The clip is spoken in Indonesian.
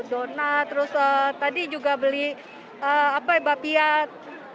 zona terus tadi juga beli bapiat